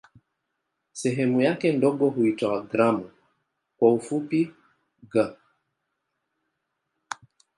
Sehemu yake ndogo huitwa "gramu" kwa kifupi "g".